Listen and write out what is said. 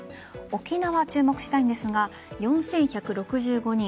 沖縄、注目したいんですが４１６５人。